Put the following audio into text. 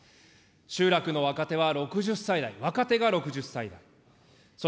集落の若手は６０歳代、若手が６０歳代。